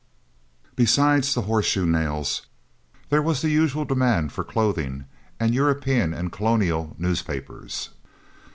Besides the horse shoe nails, there was the usual demand for clothing and European and Colonial newspapers.